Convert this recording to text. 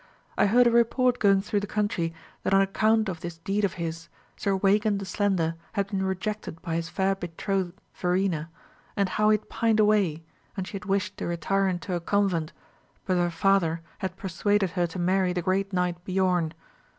I heard a report going through the country, that on account of this deed of his, Sir Weigand the Slender had been rejected by his fair betrothed Verena, and how he had pined away, and she had wished to retire into a convent, but her father had persuaded her to marry the great knight Biorn.